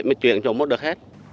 mới chuyển cho mốt được hết